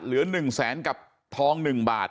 เหลือหนึ่งแสนกับทองหนึ่งบาท